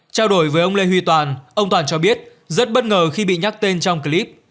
trao đổi với ông lê huy toàn ông toàn cho biết rất bất ngờ khi bị nhắc tên trong clip